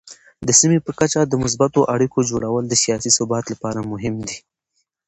د سیمې په کچه د مثبتو اړیکو جوړول د سیاسي ثبات لپاره مهم دي.